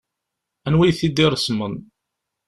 Anwa i t-id-iṛesmen?